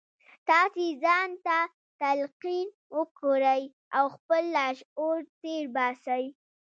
تاسې ځان ته تلقین وکړئ او خپل لاشعور تېر باسئ